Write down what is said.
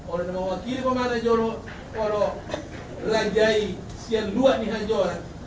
orin mwawakili paman njaorok woro rajai si yang luat ni hajorat